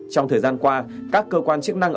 trong thời gian qua các cơ quan chức năng